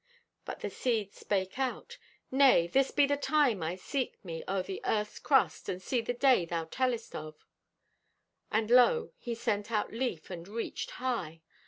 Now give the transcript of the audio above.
"But the Seed spake out: 'Nay, this be the time I seek me o'er the Earth's crust and see the Day thou tellest of.' "And lo, he sent out leaf, and reached high.